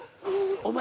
お前